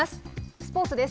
スポーツです。